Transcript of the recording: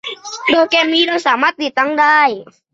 โปรแกรมนี้ เราสามารถติดตั้งได้